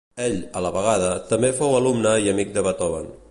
Ell, a la vegada, també fou alumne i amic de Beethoven.